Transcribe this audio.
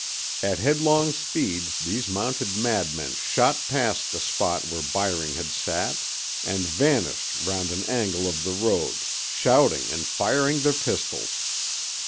At headlong speed these mounted madmen shot past the spot where Byring had sat, and vanished round an angle of the road, shouting and firing their pistols.